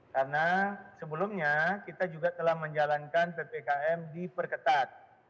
karena sebelumnya kita juga telah menjalankan ppkm di perketat